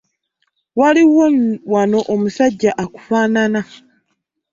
Waliwo wano omusajja akufaanana!